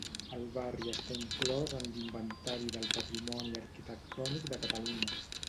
El barri està inclòs en l'Inventari del Patrimoni Arquitectònic de Catalunya.